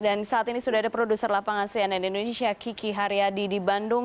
dan saat ini sudah ada produser lapangan cnn indonesia kiki haryadi di bandung